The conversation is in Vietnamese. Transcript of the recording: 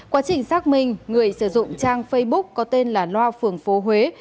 quá trình xác minh người sử dụng trang facebook có tên là loa phường phố huế